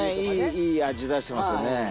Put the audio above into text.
いい味出してますよね。